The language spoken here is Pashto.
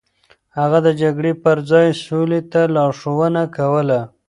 هغه د جګړې پر ځای سولې ته لارښوونه کوله.